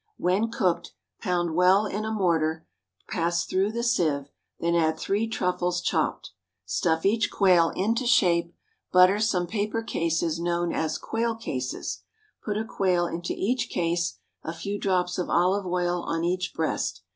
When cooked, pound well in a mortar, pass through a sieve, then add three truffles chopped; stuff each quail into shape, butter some paper cases known as "quail cases," put a quail into each case, a few drops of olive oil on each breast.